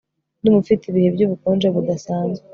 ndumva ufite ibihe by'ubukonje budasanzwe